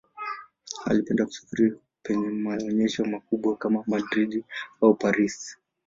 Alipenda kusafiri penye maonyesho makubwa kama Madrid au Paris.